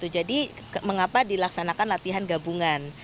jadi mengapa dilaksanakan latihan gabungan